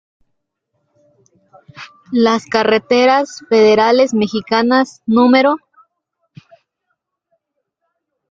Las Carreteras Federales Mexicanas No.